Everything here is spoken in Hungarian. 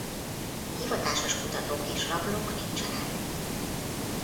Hivatásos kutatók és rablók nincsenek.